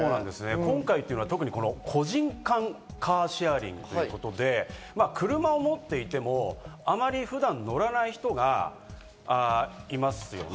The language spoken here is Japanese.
今回というのは、特に個人間カーシェアリングということで、車を持っていても、あまり普段乗らない人がいますよね。